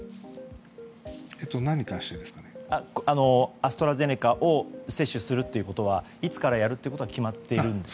アストラゼネカを接種するということはいつからやるということは決まっているんですか。